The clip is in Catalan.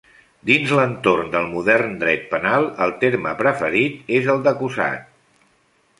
Dins l'entorn del modern dret penal, el terme preferit és el d'acusat.